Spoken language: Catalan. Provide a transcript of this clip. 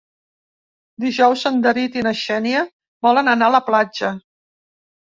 Dijous en David i na Xènia volen anar a la platja.